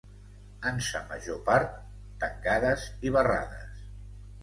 ...en sa major part tancades i barrades